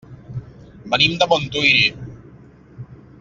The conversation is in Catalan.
Venim de Montuïri.